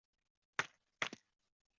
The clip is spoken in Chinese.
七省级轻巡洋舰。